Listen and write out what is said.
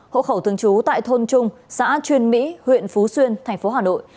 hộ khẩu thương chú tại thôn trung xã truyền mỹ huyện phú xuyên tp hà nội